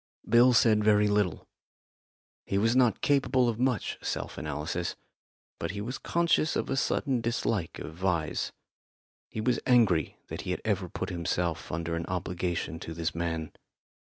Bill said very little. He was not capable of much self analysis, but he was conscious of a sudden dislike of Vyse. He was angry that he had ever put himself under an obligation to this man.